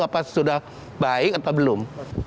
apa sudah baik atau belum